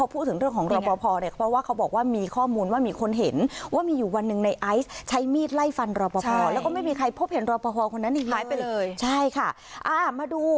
เพราะว่าเขาบอกว่ามีข้อมูลว่ามีคนเห็นว่ามีอยู่